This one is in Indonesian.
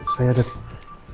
saya ada telfon dari